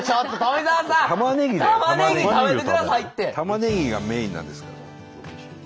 たまねぎがメインなんですから。